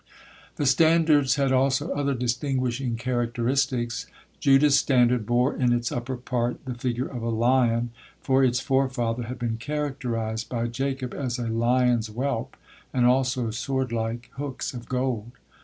The standards had also other distinguishing characteristics. Judah's standard bore in its upper part the figure of a lion, for its forefather had been characterized by Jacob as "a lion's whelp," and also sword like hooks of gold.